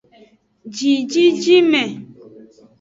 Jinjinjinme.